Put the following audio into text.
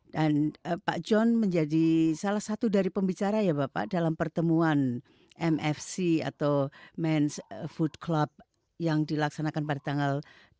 dan pak john menjadi salah satu dari pembicara ya bapak dalam pertemuan mfc atau men s food club yang dilaksanakan pada tanggal delapan